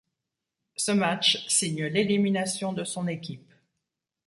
Ce match signe l'élimination de son équipe.